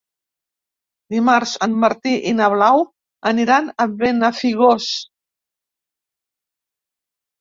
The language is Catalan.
Dimarts en Martí i na Blau aniran a Benafigos.